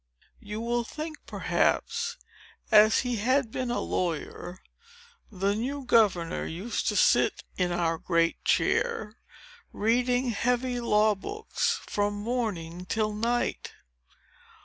You will think, perhaps, that, as he had been a lawyer, the new governor used to sit in our great chair, reading heavy law books from morning till night.